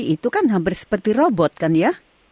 itu kan hampir seperti robot kan ya